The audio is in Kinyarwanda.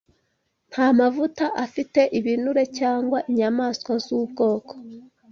Nta mavuta afite ibinure cyangwa inyama z’ubwoko